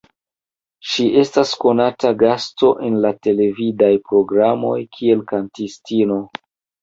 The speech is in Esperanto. Ŝi estas konata gasto en la televidaj programoj kiel kantistino.